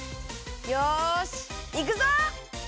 よしいくぞ！